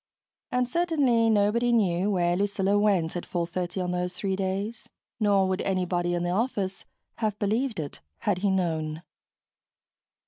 And certainly nobody knew where Lucilla went at 4:30 on those three days nor would anybody in the office have believed it, had he known.